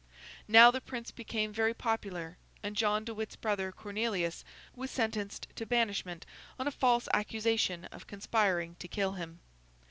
Now, the Prince became very popular, and John de Witt's brother Cornelius was sentenced to banishment on a false accusation of conspiring to kill him.